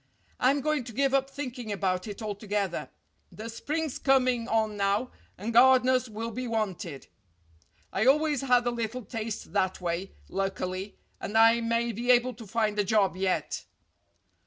I'm going to give up thinking about it altogether. The spring's coming on now and gardeners will be wanted. I always had a little taste that way, luckily, and I may be able to find a job yet."